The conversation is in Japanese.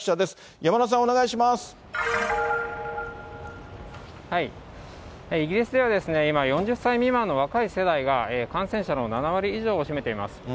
山田さん、イギリスでは、今、４０歳未満の若い世代が感染者の７割以上を占めています。